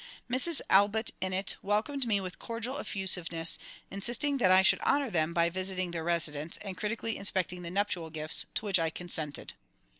Mrs ALLBUTT INNETT welcomed me with cordial effusiveness, insisting that I should honour them by visiting their residence, and critically inspecting the nuptial gifts, to which I consented.